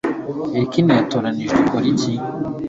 Gherkin yatoranijwe ikora iki?